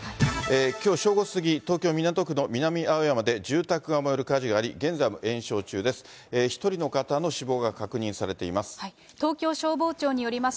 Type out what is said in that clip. きょう正午過ぎ、東京・港区の南青山で、住宅が燃える火事があり、現在も延焼中です。